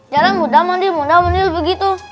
jalan muda mandi muda menil begitu